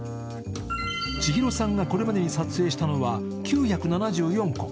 チヒロさんがこれまでに撮影したのは９７４個。